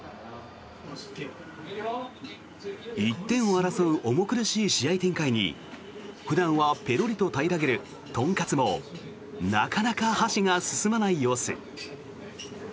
１点を争う重苦しい試合展開に普段はぺろりと平らげる豚カツもなかなか箸が進まない様子。